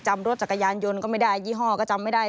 รถจักรยานยนต์ก็ไม่ได้ยี่ห้อก็จำไม่ได้